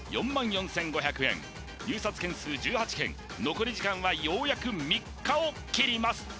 ４４５００円入札件数１８件残り時間はようやく３日を切ります